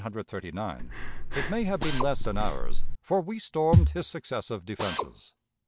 It may have been less than ours, for we stormed his successive defenses.